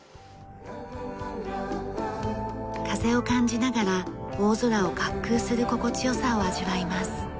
風を感じながら大空を滑空する心地よさを味わいます。